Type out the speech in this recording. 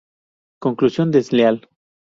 Colusión desleal.